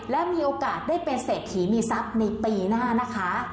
และมีโอกาสได้เป็นเศรษฐีมีทรัพย์ในปีหน้านะคะ